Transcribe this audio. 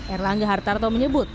erlangga hartarto menyebut